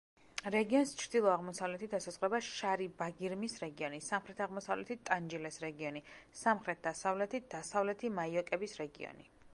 რეგიონს ჩრდილო-აღმოსავლეთით ესაზღვრება შარი-ბაგირმის რეგიონი, სამხრეთ-აღმოსავლეთით ტანჯილეს რეგიონი, სამხრეთ-დასავლეთით დასავლეთი მაიო-კების რეგიონი.